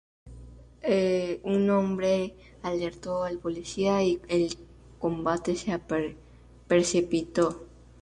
Un hombre alertó a la policía y el combate se precipitó.